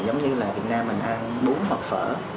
giống như là việt nam mình ăn bún hộp phở